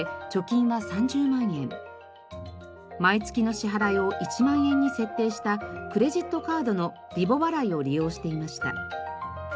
毎月の支払いを１万円に設定したクレジットカードのリボ払いを利用していました。